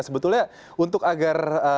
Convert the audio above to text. sebetulnya untuk agar